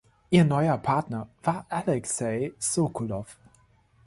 Ihr neuer Partner war Alexei Sokolow.